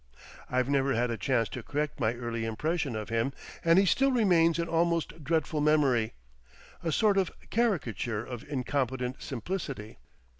I've never had a chance to correct my early impression of him, and he still remains an almost dreadful memory, a sort of caricature of incompetent simplicity.